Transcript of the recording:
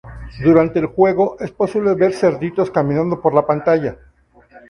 Durante el juego, es posible ver cerditos caminando por la pantalla.